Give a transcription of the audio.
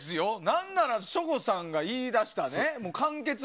何なら、省吾さんが言い出した